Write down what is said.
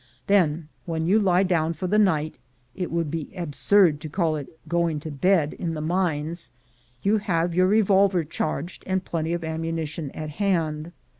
Then when you lie down for the night (it would be absurd to call it "going to bed" in the mines), you have your revolver charged, and plenty of ammunition at hand.